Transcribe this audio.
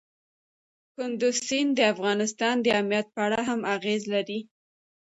کندز سیند د افغانستان د امنیت په اړه هم اغېز لري.